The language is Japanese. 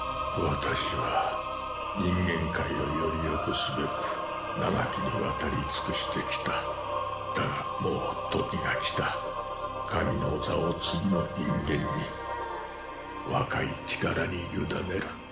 私は人間界をよりよくすべく長きにわたり尽くしてきただがもうときが来た神の座を次の人間に若い力に委ねる